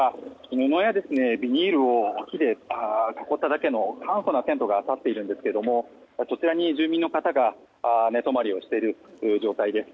布やビニールを木で囲っただけの簡素なテントが立っているんですけどそちらに住民の方が寝泊まりをしている状態です。